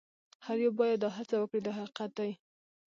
هر یو باید دا هڅه وکړي دا حقیقت دی.